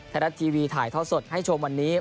ไทยรัฐทีวีถ่ายท่อสดให้ชมวันนี้